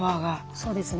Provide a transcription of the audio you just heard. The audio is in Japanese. そうですね。